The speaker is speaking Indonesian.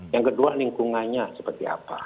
yang kedua lingkungannya seperti apa